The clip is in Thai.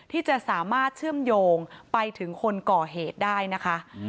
ที่จะสามารถเชื่อมโยงไปถึงคนก่อเหตุได้นะคะ